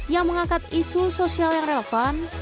yang mengangkat isu sosial yang relevan